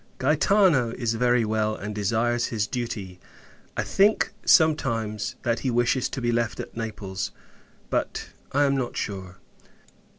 Gaetano is very well, and desires his duty. I think, sometimes, that he wishes to be left at Naples; but, I am not sure.